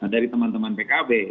nah dari teman teman pk